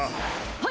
はい！